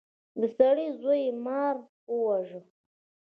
د سړي زوی مار وواژه.